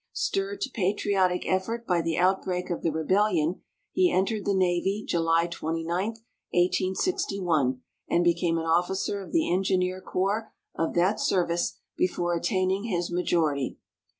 Stirred to patriotic effort by the out break of the rebellion, he entered the Navy July 29, 18G1, and became an officer of the Engineer Corps of that service before attaining his majority.